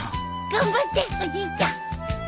頑張っておじいちゃん！